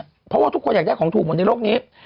เพราะว่าทุกคนอยากได้ของถูกหมดในโลกนี้